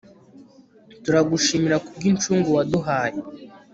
turagushimira ku bw'incungu waduhaye